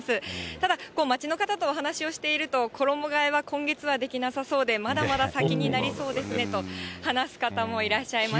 ただ、街の方とお話をしていると、衣替えは今月はできなさそうで、まだまだ先になりそうですねと話す方もいらっしゃいました。